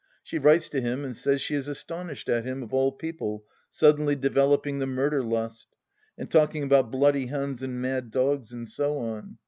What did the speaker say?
She writes to him and says she is astonished at him, of all people, suddenly developing the murder lust, and talking about bloody Huns and mad dogs and so on.